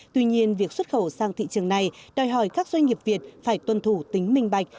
tuy nhiên việc xuất khẩu sang thị trường này đòi hỏi các doanh nghiệp việt phải tuân thủ tính minh bạch